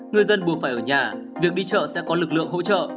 người dân buộc phải ở nhà việc đi chợ sẽ có lực lượng hỗ trợ